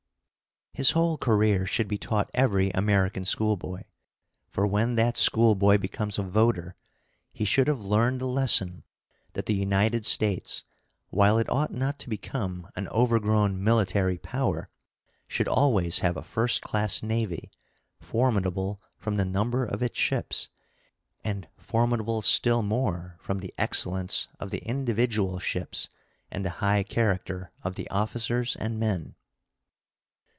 His whole career should be taught every American schoolboy, for when that schoolboy becomes a voter he should have learned the lesson that the United States, while it ought not to become an overgrown military power, should always have a first class navy, formidable from the number of its ships, and formidable still more from the excellence of the individual ships and the high character of the officers and men.